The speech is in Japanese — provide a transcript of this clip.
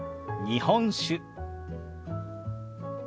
「日本酒」。